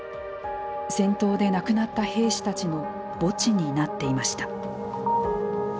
戦闘で亡くなった兵士たちの墓地になっていました。